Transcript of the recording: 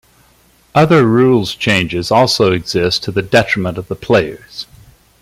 Other rules changes also exist to the detriment of players.